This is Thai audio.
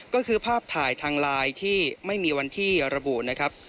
ก็คือภาพถ่ายทางไลน์ที่ไม่มีวันที่ระบุนะครับ